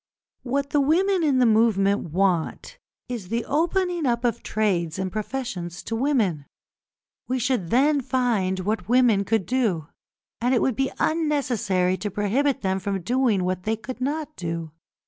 What the women in the movement want is the opening up of trades and professions to women. We should then find what women could do, and it would be unnecessary to prohibit them from doing what they could not do.